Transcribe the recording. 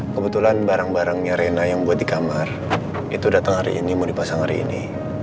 kebetulan barang barangnya rena yang buat di kamar itu datang hari ini mau dipasang hari ini